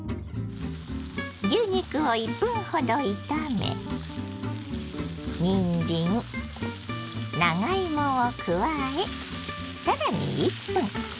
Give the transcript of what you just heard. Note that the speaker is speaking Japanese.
牛肉を１分ほど炒めにんじん長芋を加え更に１分。